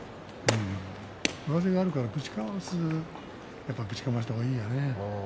上背があるからぶちかます時はぶちかました方がいいよね。